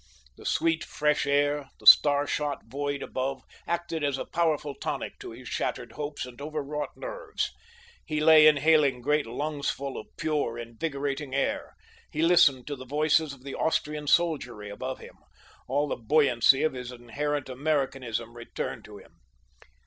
The sweet, fresh air, the star shot void above, acted as a powerful tonic to his shattered hopes and overwrought nerves. He lay inhaling great lungsful of pure, invigorating air. He listened to the voices of the Austrian soldiery above him. All the buoyancy of his inherent Americanism returned to him.